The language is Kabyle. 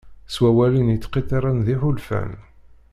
S wawalen yettqiṭṭiren d iḥulfan.